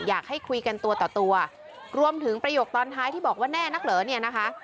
อยากให้คุยกันตัวต่อตัวรวมถึงประโยคตอนท้ายที่บอกว่าแน่นักเหรอเนี่ยนะคะ